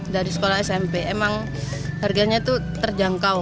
dari sekolah smp emang harganya itu terjangkau